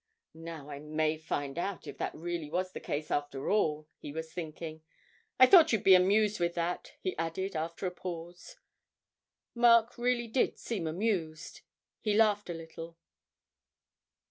('Now I may find out if that really was the case after all,' he was thinking.) 'I thought you'd be amused with that,' he added, after a pause. Mark really did seem amused; he laughed a little.